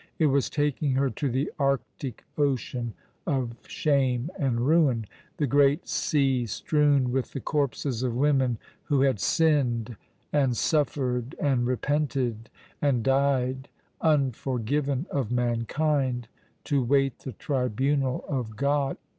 It was taking her to the arctic ocean of shame and ruin — the great sea strewn with the corpses of women who had sinned, and suffered, and repented, and died— unforgiven of mankind — to wait the tribunal of God.